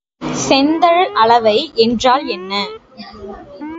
செந்தழல் அளவை என்றால் என்ன?